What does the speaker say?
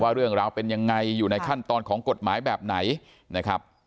เรื่องราวเป็นยังไงอยู่ในขั้นตอนของกฎหมายแบบไหนนะครับ